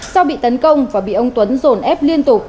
sau bị tấn công và bị ông tuấn rồn ép liên tục